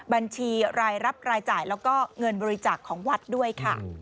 บัญชีรายรับรายจ่ายแล้วก็เงินบริจาคของวัดด้วยค่ะ